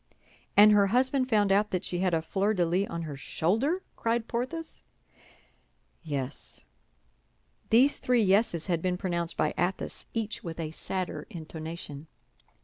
"And her husband found out that she had a fleur de lis on her shoulder?" cried Porthos. "Yes." These three yeses had been pronounced by Athos, each with a sadder intonation.